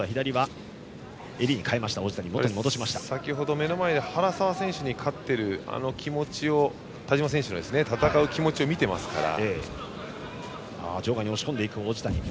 先程、目の前で原沢選手に勝っているあの気持ちを田嶋選手の戦う気持ちを見ていますから。